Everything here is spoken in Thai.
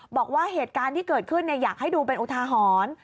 บอกว่าเหตุการณ์ที่เกิดขึ้นอยากให้ดูเป็นอุทาหรณ์